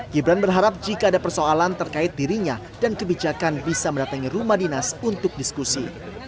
gibran berharap jika ada persoalan terkait dirinya dan kebijakan bisa mendatangi rumah dinas untuk diskusi